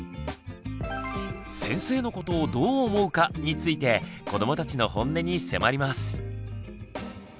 「先生のことをどう思うか？」について子どもたちのホンネに迫ります。